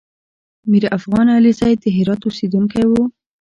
میرافغان علیزی د هرات اوسېدونکی و